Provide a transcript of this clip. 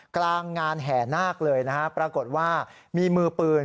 กลางงานแห่นาคเลยนะฮะปรากฏว่ามีมือปืน